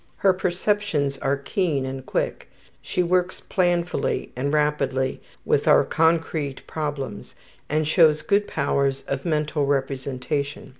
Her perceptions are keen and quick. She works planfully and rapidly with our concrete problems and shows good powers of mental representation.